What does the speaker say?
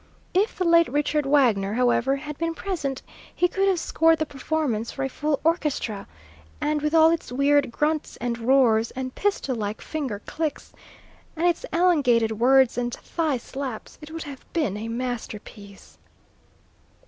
If the late Richard Wagner, however, had been present he could have scored the performance for a full orchestra; and with all its weird grunts and roars, and pistol like finger clicks, and its elongated words and thigh slaps, it would have been a masterpiece.